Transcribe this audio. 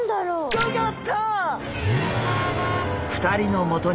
ギョギョッ！